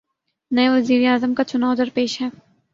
نئے وزیر اعظم کا چنائو درپیش ہے۔